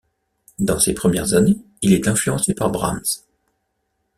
Dans ses premières années, il est influencé par Brahms.